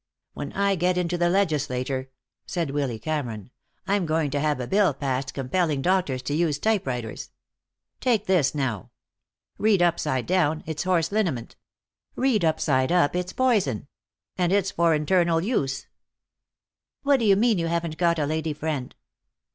"When I get into the Legislature," said Willy Cameron, "I'm going to have a bill passed compelling doctors to use typewriters. Take this now. Read upside down, its horse liniment. Read right side up, it's poison. And it's for internal use." "What d'you mean you haven't got a lady friend?"